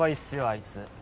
あいつ。